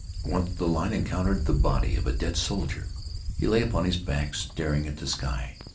Once the line encountered the body of a dead soldier. He lay upon his back staring at the sky.